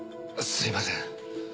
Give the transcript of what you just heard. すみません。